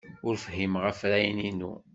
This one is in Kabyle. Ur fhimeɣ afrayen-inu.